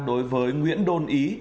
đối với nguyễn đôn ý